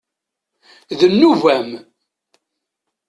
D nnuba-m.